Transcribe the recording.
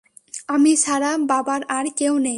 আমি ছাড়া বাবার আর কেউ নেই।